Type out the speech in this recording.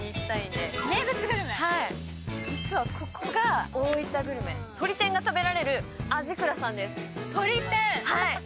ここが大分グルメ、とり天が食べられる味蔵さんです。